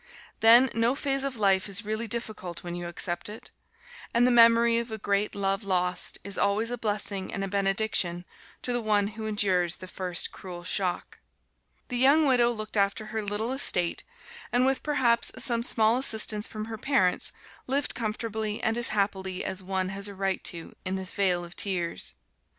Then, no phase of life is really difficult when you accept it; and the memory of a great love lost is always a blessing and a benediction to the one who endures the first cruel shock. The young widow looked after her little estate, and with perhaps some small assistance from her parents, lived comfortably and as happily as one has a right to in this vale of tears.